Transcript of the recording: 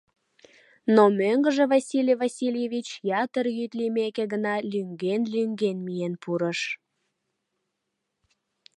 Но мӧҥгыжӧ Василий Васильевич ятыр йӱд лиймеке гына лӱҥген-лӱҥген миен пурыш.